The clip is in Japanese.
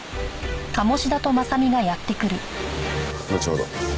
後ほど。